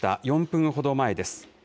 ４分ほど前です。